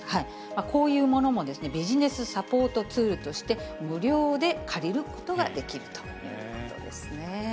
こういうものもビジネスサポートツールとして、無料で借りることができるということですね。